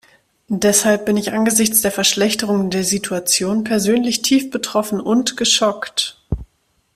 Deshalb bin ich angesichts der Verschlechterung der Situation persönlich tief betroffen und geschockt.